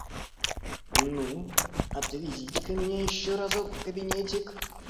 Ну, отвезите-ка меня еще разок в кабинетик.